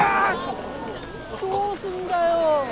どうすんだよ！